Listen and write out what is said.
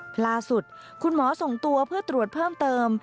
ล่าสุดคุณหมอส่งตัวเพื่อตรวจเพิ่มเติม